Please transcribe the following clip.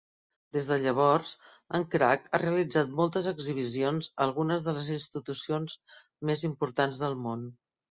Des de llavors, en Cragg ha realitzat moltes exhibicions a algunes de les institucions més importants del món.